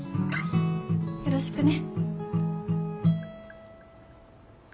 よろしくね。